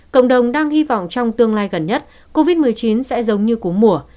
cộng đồng đang hy vọng trong tương lai gần nhất covid một mươi chín sẽ giống như cú mùa